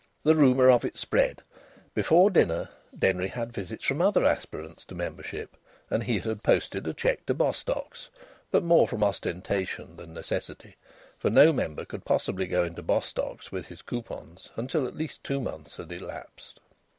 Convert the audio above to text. The rumour of it spread; before dinner Denry had visits from other aspirants to membership, and he had posted a cheque to Bostocks', but more from ostentation than necessity; for no member could possibly go into Bostocks' with his coupons until at least two months had elapsed.